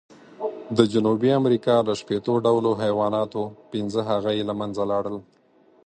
د جنوبي امریکا له شپېتو ډولو حیواناتو، پینځه هغه یې له منځه لاړل.